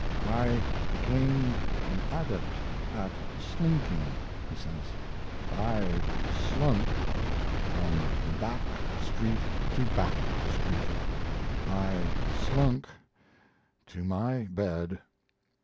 "I became an adept at slinking," he says. "I slunk from back street to back street.... I slunk to my bed.